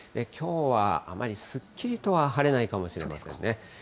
きょうはあまりすっきりとは晴れないかもしれませんね。